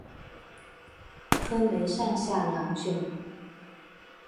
分为上下两卷。